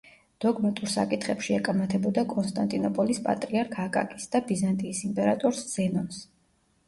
დოგმატურ საკითხებში ეკამათებოდა კონსტანტინოპოლის პატრიარქ აკაკის და ბიზანტიის იმპერატორს ზენონს.